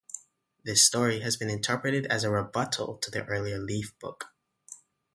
This story has been interpreted as a "rebuttal" to the earlier Leaf book.